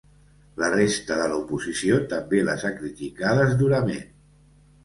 La resta de l’oposició també les ha criticades durament.